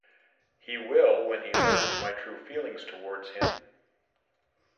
He will, when he learns my true feelings towards him.